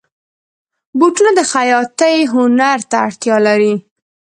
بوټونه د خیاطۍ هنر ته اړتیا لري.